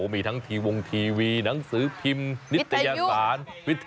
มีทั้งวงทีวีหนังสือพิมพ์นิตยาหวานวิทยุ